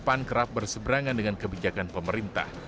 pan kerap berseberangan dengan kebijakan pemerintah